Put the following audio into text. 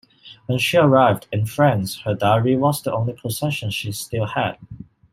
When she arrived in France, her diary was the only possession she still had.